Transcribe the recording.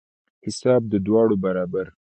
حساب د دواړو برابر.